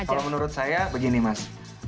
jadi kalau menurut saya begini mas